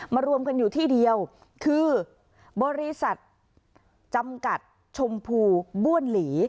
รวมกันอยู่ที่เดียวคือบริษัทจำกัดชมพูบ้วนหลี